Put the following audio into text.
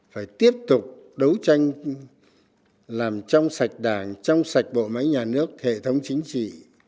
phải tiếp tục đấu tranh làm trong sạch đảng trong sạch bộ máy nhà nước hệ thống chính trị